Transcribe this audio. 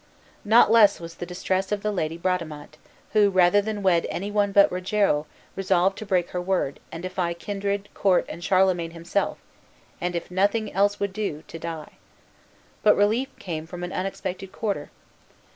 Not less was the distress of the lady Bradamante, who, rather than wed any one but Rogero, resolved to break her word, and defy kindred, court, and Charlemagne himself; and, if nothing else would do, to die. But relief came from an unexpected quarter.